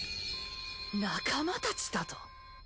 仲間たちだと！？